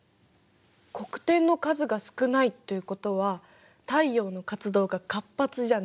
黒点の数が少ないということは太陽の活動が活発じゃない！